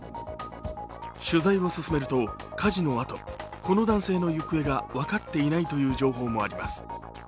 取材を進めると火事のあとこの男性の行方が分かっていないという情報もあります。